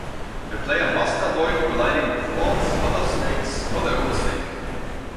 The player must avoid colliding with walls, other snakes or their own snake.